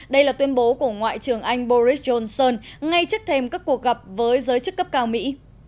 đây là tuyên bố của ngoại trưởng anh boris johnson ngay trước thêm các cuộc gặp với giới chức cấp cao mỹ